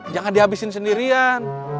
jangan dihabisin sendirian